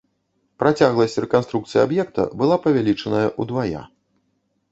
Працягласць рэканструкцыі аб'екта была павялічаная ўдвая.